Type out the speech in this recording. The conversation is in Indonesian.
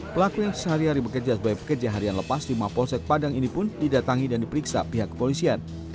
pelaku yang sehari hari bekerja sebagai pekerja harian lepas di mapolsek padang ini pun didatangi dan diperiksa pihak kepolisian